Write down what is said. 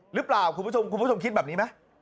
หรือเปล่าคุณผู้ชมคิดแบบนี้ไหม